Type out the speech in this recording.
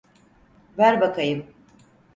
Ver bakayım.